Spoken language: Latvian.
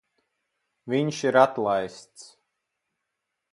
Viņš ir atlaists.